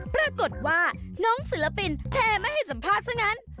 ปรากฏว่าน้องศิลปินแค่ไม่ให้สัมภาษณ์ซะงั้น